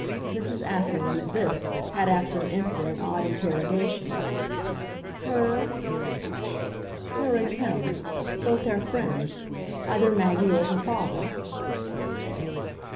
Mrs. Assingham, at this, had after an instant an odd interrogation. "'Her'?" "Her and him. Both our friends. Either Maggie or her father."